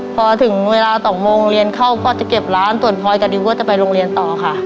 พอถึงเวลา๒โมงเรียนเข้าก็จะเก็บร้านส่วนพลอยกับดิวก็จะไปโรงเรียนต่อค่ะ